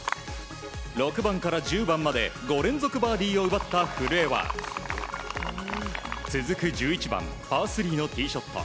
６番から１０番まで５連続バーディーを奪った古江は続く１１番パー３のティーショット。